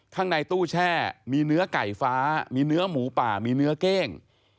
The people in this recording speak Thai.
ข้างในตู้แช่มีเนื้อไก่ฟ้ามีเนื้อหมูป่ามีเนื้อเก้ง